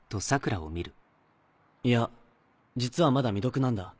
いや実はまだ未読なんだ。